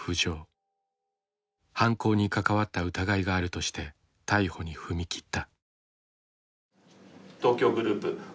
犯行に関わった疑いがあるとして逮捕に踏み切った。